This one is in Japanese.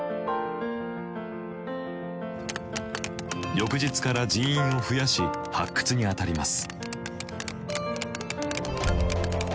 翌日から人員を増やし発掘に当たります。